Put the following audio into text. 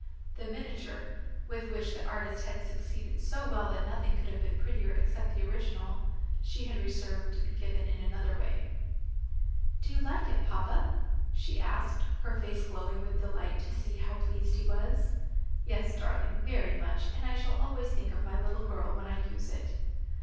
The miniature with which the artist had succeeded so well that nothing could have been prettier except the original herself she had reserved to be given in another way. "Do you like it, papa?" she asked, her face glowing with delight to see how pleased he was. "Yes, darling, very much; and I shall always think of my little girl when I use it."